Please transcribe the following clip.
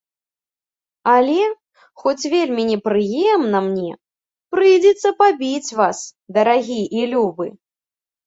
Але, хоць вельмі непрыемна мне, прыйдзецца пабіць вас, дарагі і любы.